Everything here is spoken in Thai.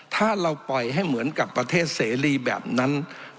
ถ้าเราปล่อยให้เหมือนกับประเทศเสรีแบบนั้น